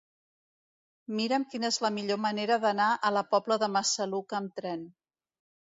Mira'm quina és la millor manera d'anar a la Pobla de Massaluca amb tren.